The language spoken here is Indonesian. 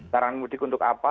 larangan mudik untuk apa